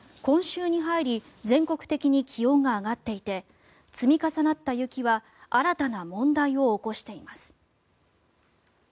今週に入り全国的に気温が上がっていて積み重なった雪は新たな問題を起こしています。